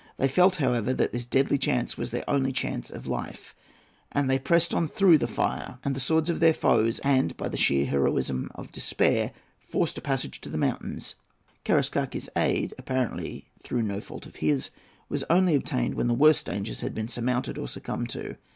They felt, however, that this deadly chance was their only chance of life, and they pressed on through the fire, and the swords of their foes, and by the sheer heroism of despair forced a passage to the mountains. Karaiskakes's aid—apparently through no fault of his—was only obtained when the worst dangers had been surmounted or succumbed to.